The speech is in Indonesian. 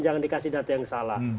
jangan dikasih data yang salah